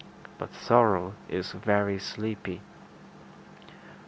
But sorrow is very sleepy.